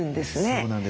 そうなんです。